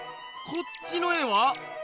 こっちの絵は？